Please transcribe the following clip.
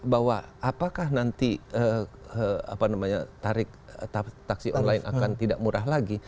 bahwa apakah nanti tarif taksi online akan tidak murah lagi